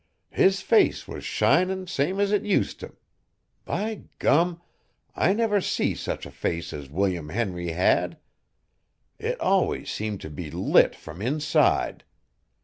His face was shinin' same as it use t'. By gum! I never see such a face as William Henry had! It always seemed to be lit from inside.